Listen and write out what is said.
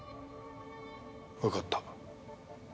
わかった。